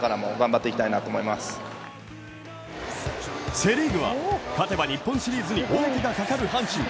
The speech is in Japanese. セ・リーグは勝てば日本シリーズに王手がかかる阪神。